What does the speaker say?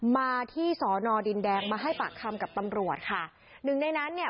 มาที่สอนอดินแดงมาให้ปากคำกับตำรวจค่ะหนึ่งในนั้นเนี่ย